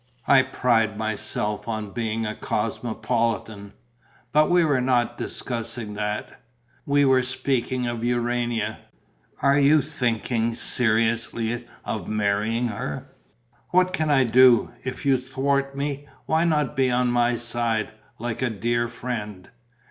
I pride myself on being a cosmopolitan. But we were not discussing that, we were speaking of Urania. Are you thinking seriously of marrying her?" "What can I do, if you thwart me? Why not be on my side, like a dear friend?"